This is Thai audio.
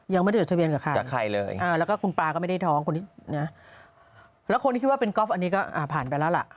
ยังไม่ได้จดทะเบียนกับใครจากใครเลยแล้วก็คุณปลาก็ไม่ได้ท้องคนที่แล้วคนที่คิดว่าเป็นก๊อฟอันนี้ก็ผ่านไปแล้วล่ะ